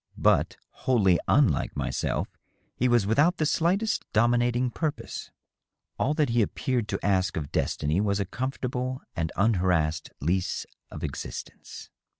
But, wholly unlike myself, he was without the slightest dominating purpose. AH that he appeared to ask of destiny was a comfortable and unharassed lease of existence.